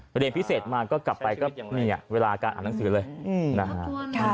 เรียนพิเศษมาก็กลับไปก็มีเวลาการอ่านหนังสือเลยนะฮะ